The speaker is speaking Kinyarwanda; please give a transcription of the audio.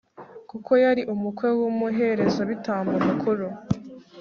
kuko yari umukwe w'umuherezabitambo mukuru